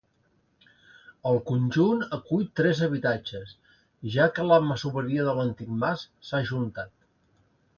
El conjunt acull tres habitatges, ja que la masoveria de l’antic mas s'ha ajuntat.